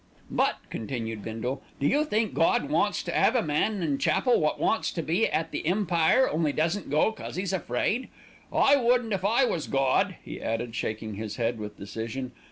"But," continued Bindle, "do you think Gawd wants to 'ave a man in chapel wot wants to be at the Empire, only doesn't go because 'e's afraid? I wouldn't if I was Gawd," he added, shaking his head with decision.